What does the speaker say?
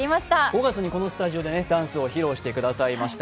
５月にこのスタジオでダンスを披露してくれました。